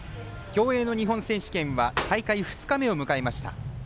競泳の日本選手権は大会２日目を迎えました。